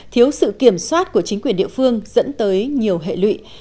thiếu sự kiểm soát của chính quyền địa phương dẫn tới nhiều hệ lụy